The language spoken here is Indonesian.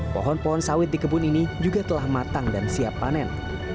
pohon pohon sawit di kebun ini juga telah matang dan siap panen